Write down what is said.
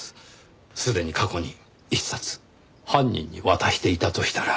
すでに過去に１冊犯人に渡していたとしたら。